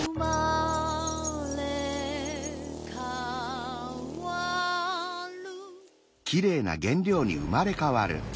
「うまれかわる」